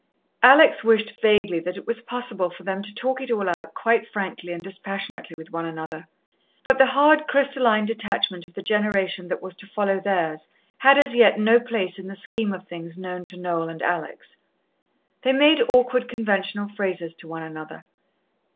Alex wished vaguely that it was possible for them to talk it all out quite frankly and dispassionately with one another, but the hard, crystalline detachment of the generation that was to follow theirs, had as yet no place in the scheme of things known to Noel and Alex. They made awkward, conventional phrases to one another.